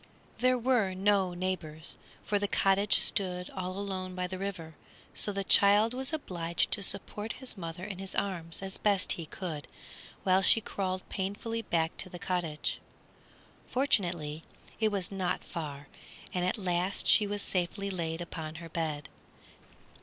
There were no neighbors, for the cottage stood all alone by the river, so the child was obliged to support his mother in his arms as best he could while she crawled painfully back to the cottage. Fortunately, it was not far, and at last she was safely laid upon her bed.